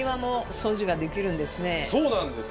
そうなんです。